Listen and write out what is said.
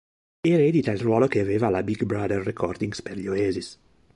Eredita il ruolo che aveva la Big Brother Recordings per gli Oasis.